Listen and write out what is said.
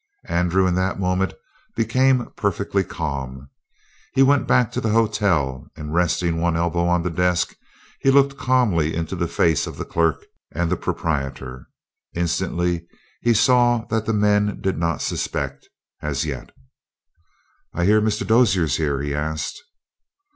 Andrew, in that moment, became perfectly calm. He went back to the hotel, and, resting one elbow on the desk, he looked calmly into the face of the clerk and the proprietor. Instantly he saw that the men did not suspect as yet. "I hear Mr. Dozier's here?" he asked.